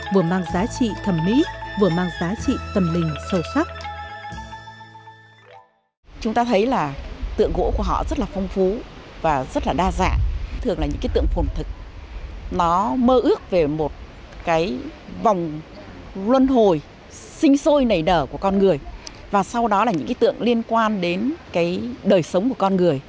vừa mang giá trị thẩm mỹ vừa mang giá trị tâm linh sâu sắc